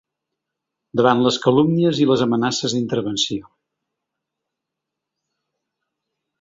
Davant les calumnies i les amenaces d’intervenció.